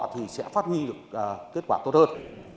thì sẽ phát minh được kết quả tốt hơn